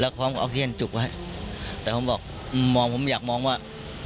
พร้อมเอาเทียนจุกไว้แต่ผมบอกมองผมอยากมองว่า